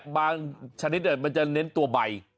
มันจะเน้นตัวใบ